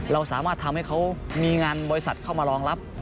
เราสามารถทำให้เขามีงานบริษัทเข้ามารองรับ